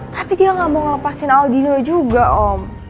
tapi dia gak mau ngelepasin aldino juga om